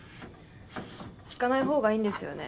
聞かないほうがいいんですよね